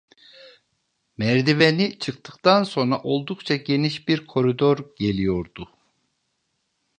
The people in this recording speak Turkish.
Merdiveni çıktıktan sonra oldukça geniş bir koridor geliyordu.